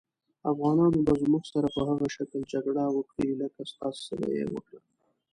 افغانان به زموږ سره په هغه شکل جګړه وکړي لکه ستاسې سره یې وکړه.